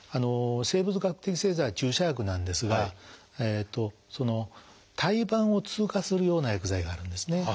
生物学的製剤は注射薬なんですが胎盤を通過するような薬剤があるんですね。